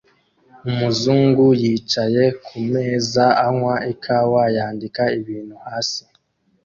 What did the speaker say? Umuzungu yicaye kumeza anywa ikawa yandika ibintu hasi